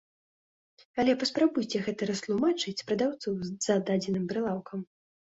Але паспрабуйце гэта растлумачыць прадаўцу за дадзеным прылаўкам.